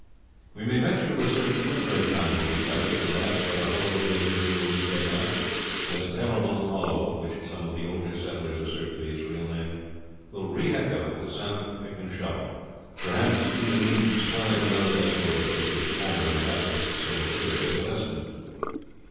We may venture to assert that no great time will be suffered to elapse ere the whole of the alluvial will be taken up, and the Terrible Hollow, which some of the older settlers assert to be its real name, will re echo with the sound of pick and shovel; perhaps to be the means of swelling those escorts which its former inhabitants so materially lessened.